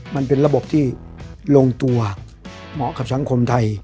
มันเป็นระบบที่ลงตัวเหมาะกับสังคมไทย